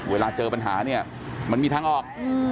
เวลาเจอปัญหาเนี่ยมันมีทางออก